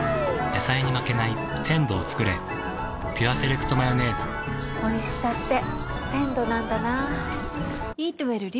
野菜に負けない鮮度をつくれ「ピュアセレクトマヨネーズ」おいしさって鮮度なんだな。